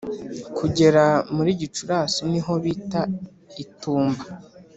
kugera muri Gicurasi ni ho bita itumba